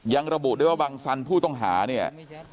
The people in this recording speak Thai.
ระบุด้วยว่าบังสันผู้ต้องหาเนี่ย